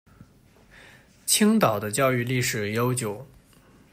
青岛的教育历史悠久。